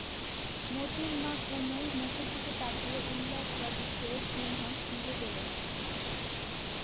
মোতির মা কুমুর মুখের দিকে তাকিয়ে উল্লাস বা বিস্ময়ের চিহ্ন খুঁজে পেলে না।